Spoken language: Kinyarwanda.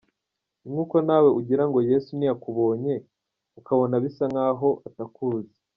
Ni nk’uko nawe ujya ugira ngo Yesu ntiyakubonye, ukabona bisa nk’aho atakuzi.